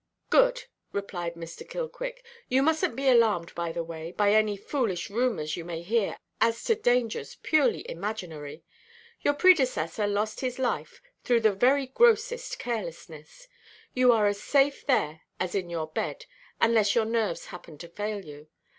"Good," replied Mr. Killquick; "you mustnʼt be alarmed, by the way, by any foolish rumours you may hear as to dangers purely imaginary. Your predecessor lost his life through the very grossest carelessness. You are as safe there as in your bed, unless your nerves happen to fail you.